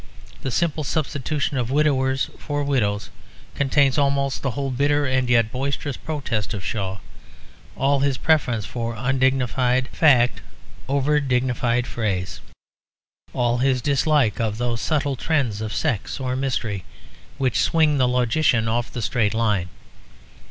The simple substitution of widowers for widows contains almost the whole bitter and yet boisterous protest of Shaw; all his preference for undignified fact over dignified phrase; all his dislike of those subtle trends of sex or mystery which swing the logician off the straight line.